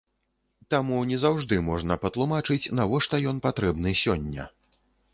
Таму не заўжды можна патлумачыць, навошта ён патрэбны сёння.